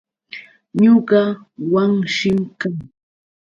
Ñuqa Wanshim kaa.